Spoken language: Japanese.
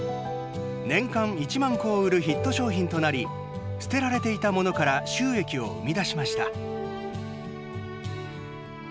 年間１万個を売るヒット商品となり捨てられていたものから収益を生み出しました。